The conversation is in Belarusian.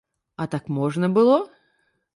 А так можна было?